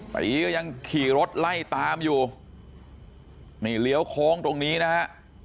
ตีก็ยังขี่รถไล่ตามอยู่นี่เลี้ยวโค้งตรงนี้นะฮะ